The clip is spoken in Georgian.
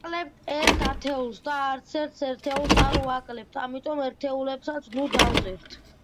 ვაკლებთ ერთ ათეულს და არცერთ ერთეულს არ ვაკლებთ, ამიტომ ერთეულებსაც ნუ დავწერთ.